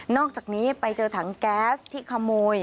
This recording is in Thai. อกจากนี้ไปเจอถังแก๊สที่ขโมย